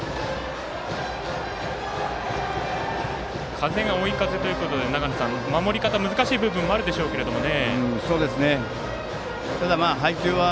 風が追い風ということで守り方、難しい部分もあるでしょうけどね。